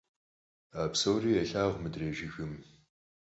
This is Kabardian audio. A psori yêlhağu mıdrêy jjıgım.